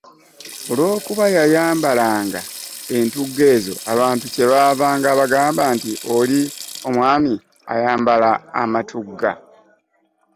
Olw’okubanga yayambalanga entugga ezo, abantu kye baavanga bagambanga nti “oli omwami ayambala amatugga”.